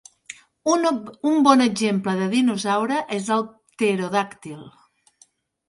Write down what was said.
Un bon exemple de dinosaure és el pterodàctil.